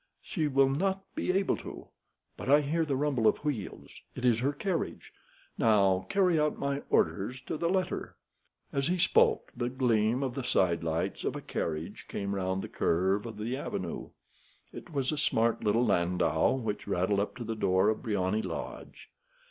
"She will not be able to. But I hear the rumble of wheels. It is her carriage. Now carry out my orders to the letter." As he spoke, the gleam of the sidelights of a carriage came round the curve of the avenue. It was a smart little landau which rattled up to the door of Briony Lodge.